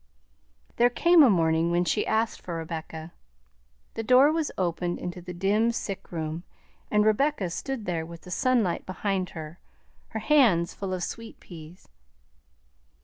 There came a morning when she asked for Rebecca. The door was opened into the dim sick room, and Rebecca stood there with the sunlight behind her, her hands full of sweet peas.